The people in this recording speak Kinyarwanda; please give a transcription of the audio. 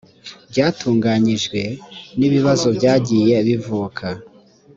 byatunganyijwe n ibibazo byagiye bivuka